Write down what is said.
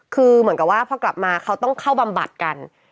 คือเหมือนกับว่าพอกลับมาเขาต้องเข้าบำบัดกัน